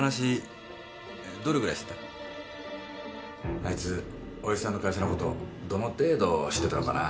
あいつおやじさんの会社のことどの程度知ってたのかな？